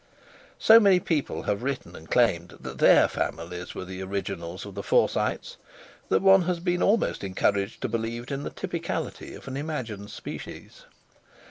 So many people have written and claimed that their families were the originals of the Forsytes that one has been almost encouraged to believe in the typicality of an imagined species.